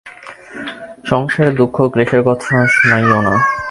সংসারের দুঃখ ও ক্লেশের কথা শুনাইও না।